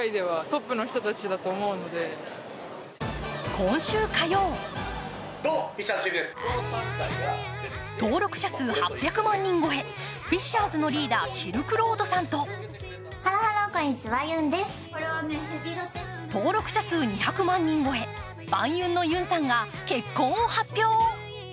今週火曜、登録者数８００万人超え、Ｆｉｓｃｈｅｒ’ｓのリーダーシルクロードさんと登録者数２００万人超え、ヴァンゆんのゆんさんが結婚を発表。